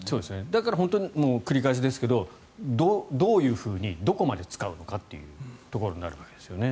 だから本当に繰り返しですけどどういうふうにどこまで使うのかというところになるわけですね。